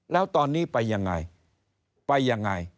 แล้วตอนนี้ไปยังไงไปยังไง